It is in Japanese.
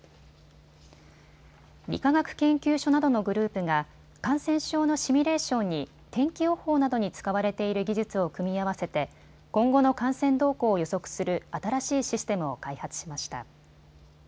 理化学研究所などのグループが感染症のシミュレーションに天気予報などに使われている技術を組み合わせて今後の感染動向を予測する新しいシステムを開発しました。